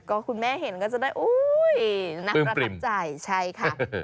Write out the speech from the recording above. ก็คุณแม่เห็นก็จะได้อุ้ยน่าประทับใจใช่ค่ะ